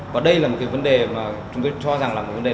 và đây là một cái vấn đề mà chúng tôi cho rằng là một vấn đề